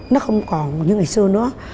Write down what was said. nó không còn như ngày xưa nữa